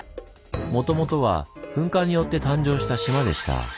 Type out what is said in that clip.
もともとは噴火によって誕生した島でした。